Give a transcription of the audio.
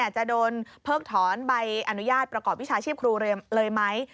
จะโดนเพิกถอนใบอนุญาตประกอบวิชาชีพครูเรมเลยไหม